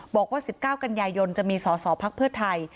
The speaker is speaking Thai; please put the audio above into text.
บอกว่า๑๙กันยายนจะมีสอสอพักเพื่อไทย